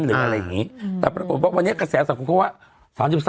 หรืออะไรอย่างนี้